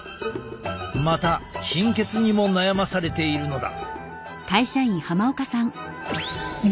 また貧血にも悩まされているのだ。